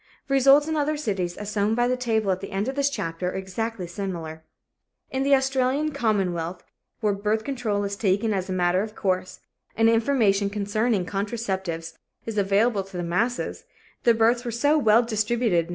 Results in other cities, as shown by the table at the end of this chapter, are exactly similar. In the Australian Commonwealth, where birth control is taken as a matter of course, and information concerning contraceptives is available to the masses, the births were so well distributed in 1915 that while the birth rate was 27.